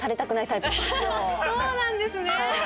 そうなんですね。